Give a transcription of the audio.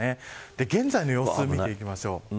現在の様子を見ていきましょう。